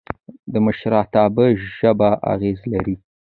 د مشرتابه ژبه اغېز لري